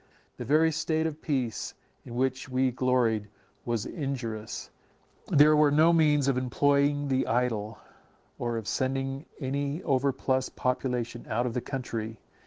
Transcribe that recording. The very state of peace in which we gloried was injurious; there were no means of employing the idle, or of sending any overplus of population out of the country.